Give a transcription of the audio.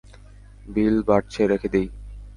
বিল বাড়ছে রেখে দেই?